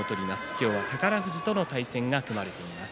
今日は宝富士との対戦が組まれています。